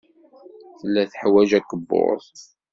Tella teḥwaj akebbuḍ.